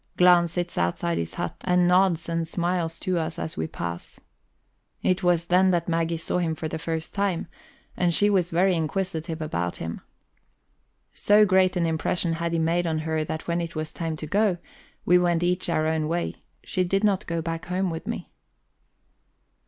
Glahn sits outside his hut, and nods and smiles to us as we pass. It was then that Maggie saw him for the first time, and she was very inquisitive about him. So great an impression had he made on her that, when it was time to go, we went each our own way; she did not go back home with me.